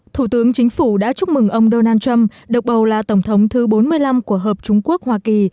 thủ tướng chính phủ đã chúc mừng ông donald trump được bầu là tổng thống thứ bốn mươi năm của hợp trung quốc hoa kỳ